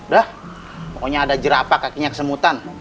dah pokoknya ada jerapa kakinya kesemutan